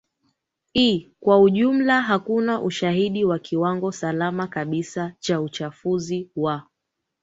i kwa ujumla hakuna ushahidi wa kiwango salama kabisa cha uchafuzi wa